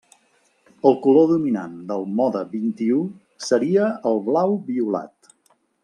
El color dominant del mode vint-i-u seria el blau violat.